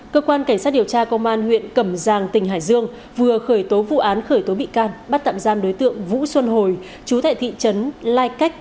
cơ quan cảnh sát điều tra công an huyện cẩm giang tỉnh hải dương vừa khởi tố vụ án khởi tố bị can bắt tạm giam đối tượng vũ xuân hồi chú tại thị trấn lai cách